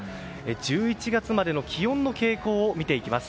１１月までの気温の傾向を見ていきます。